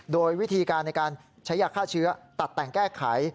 โดยวิธีการในการใช้ยาฆ่าเชื้อตัดแต่งแก้ไข